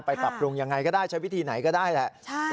ปรับปรุงยังไงก็ได้ใช้วิธีไหนก็ได้แหละ